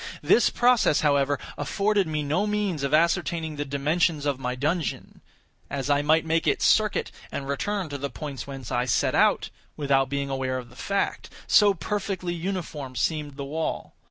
This process, however, afforded me no means of ascertaining the dimensions of my dungeon; as I might make its circuit, and return to the point whence I set out, without being aware of the fact; so perfectly uniform seemed the wall.